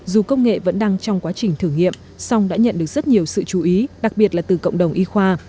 dù công nghệ vẫn đang trong quá trình thử nghiệm song đã nhận được rất nhiều sự chú ý đặc biệt là từ cộng đồng y khoa